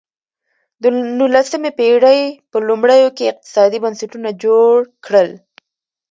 د نولسمې پېړۍ په لومړیو کې اقتصادي بنسټونه جوړ کړل.